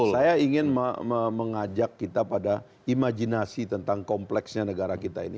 saya ingin mengajak kita pada imajinasi tentang kompleksnya negara kita ini